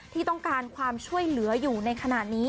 ที่ต้องการความช่วยเหลืออยู่ในขณะนี้